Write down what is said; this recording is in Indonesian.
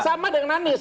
sama dengan anis